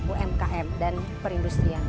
umkm dan perindustrian